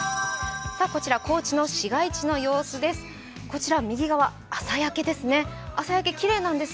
高知の市街地の様子です。